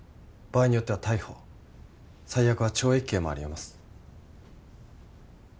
場合によっては逮捕最悪は懲役刑も有り得ます。